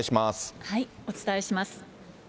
お伝えします。